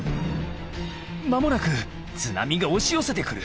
「間もなく津波が押し寄せてくる。